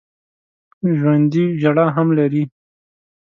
ژوندي ژړا هم لري